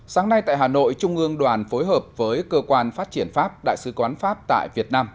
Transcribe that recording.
sáng nay tại hà nội trung ương đoàn phối hợp với cơ quan phát triển pháp đại sứ quán pháp tại việt nam